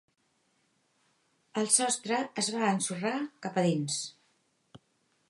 El sostre es va ensorrar cap a dins.